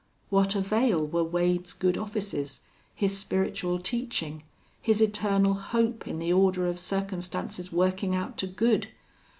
What avail were Wade's good offices, his spiritual teaching, his eternal hope in the order of circumstances working out to good?